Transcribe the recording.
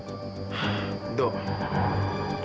penyakitnya bisa tambah parah dia